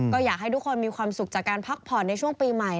ก็อยากให้ทุกคนมีความสุขจากการพักผ่อนในช่วงปีใหม่